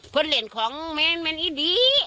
ผลิตของแม่นแม่นอีดี